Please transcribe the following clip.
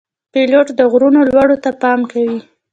پیلوټ د غرونو لوړو ته پام کوي.